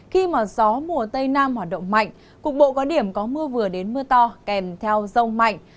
khi mà gió mùa tây nam hoạt động mạnh cục bộ có điểm có mưa vừa đến mưa to kèm theo rông mạnh